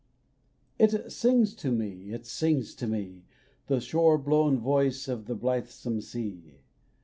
It sings to me, it sings to me, The shore blown voice of the blithesome sea!